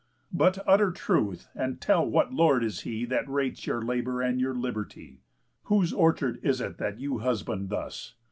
_ "But utter truth, and tell what lord is he That rates your labour and your liberty? Whose orchard is it that you husband thus?